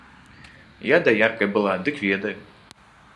Я даяркай была, дык ведаю.